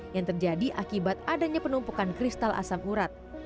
yang terjadi akibat adanya penumpukan kristal asam urat